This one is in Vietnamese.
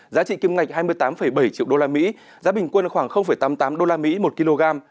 giá trị kim ngạch hai mươi tám bảy triệu usd giá bình quân khoảng tám mươi tám usd một kg